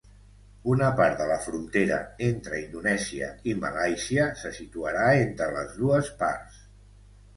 Una part de la frontera entre Indonèsia i Malàisia se situarà entre les dues parts.